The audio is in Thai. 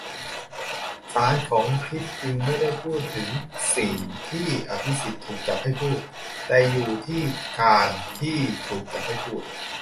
สารของคลิปจึงไม่ได้อยู่ที่'สิ่ง'ที่อภิสิทธิ์ถูกจับให้พูด แต่อยู่ที่'การ'ที่ถูกจับให้พูด